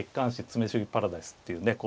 「詰将棋パラダイス」っていうね